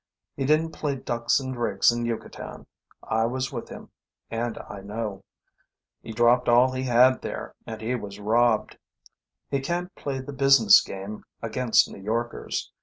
He didn't play ducks and drakes in Yucatan. I was with him, and I know. He dropped all he had there, and he was robbed. He can't play the business game against New Yorkers.